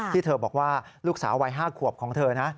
ที่เธอบอกว่าลูกสาววัย๕ขวบของเธอนะ